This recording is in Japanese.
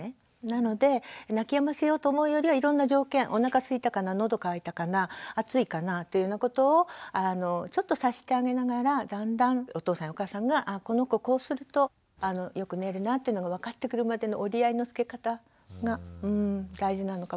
なので泣きやませようと思うよりはいろんな条件おなかすいたかな喉渇いたかな暑いかなというようなことをちょっと察してあげながらだんだんお父さんやお母さんがこの子こうするとよく寝るなというのが分かってくるまでの折り合いのつけ方が大事なのかもしれないですね。